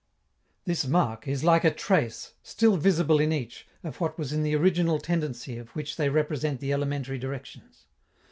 This mark is like a trace, still visible in each, of what was in the original tendency of which they represent the elementary directions.